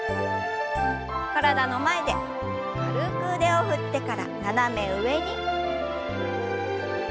体の前で軽く腕を振ってから斜め上に。